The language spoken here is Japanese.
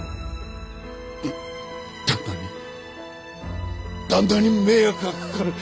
旦那に旦那に迷惑がかかる。